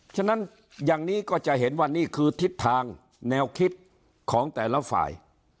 ฉะนั้นอย่างนี้ก็จะเห็นว่านี่คือทิศทางแนวคิดของแต่ละฝ่าย